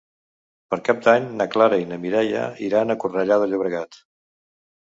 Per Cap d'Any na Clara i na Mireia iran a Cornellà de Llobregat.